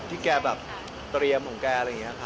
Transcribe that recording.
ที่แกแบบเตรียมของแก